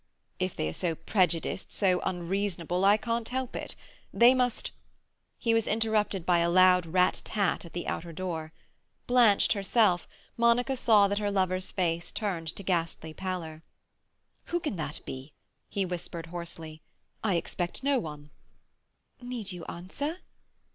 "If they are so prejudiced, so unreasonable, I can't help it. They must—" He was interrupted by a loud rat tat at the outer door. Blanched herself, Monica saw that her lover's face turned to ghastly pallor. "Who can that be?" he whispered hoarsely. "I expect no one." "Need you answer?"